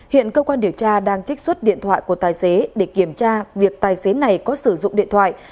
hiện cơ quan điều tra đang trích xuất điện thoại của tài xế để kiểm tra việc tài xế này có sử dụng điện thoại